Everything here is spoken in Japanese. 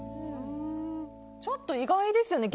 ちょっと意外ですよね。